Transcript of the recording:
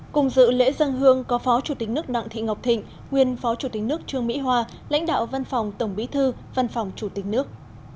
cùng dự lễ dân hương có phó chủ tịch nước đặng thị ngọc thịnh nguyên phó chủ tịch nước trương mỹ hoa lãnh đạo văn phòng tổng bí thư văn phòng chủ tịch nước